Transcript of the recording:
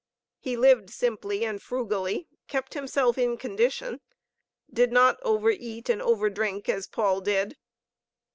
He lived simply and frugally, kept himself in condition, did not over eat and over drink as Paul did.